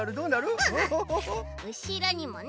うしろにもね。